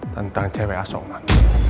tentang cewek asongan